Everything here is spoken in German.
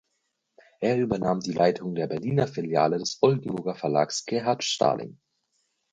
Er übernahm die Leitung der Berliner Filiale des Oldenburger Verlags Gerhard Stalling.